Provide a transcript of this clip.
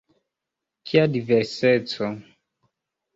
Kia diverseco?